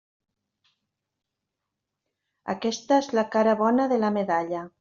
Aquesta és la cara bona de la medalla.